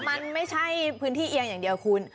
มันไม่ใช่พื้นที่เอียงอย่างเดียวคุณ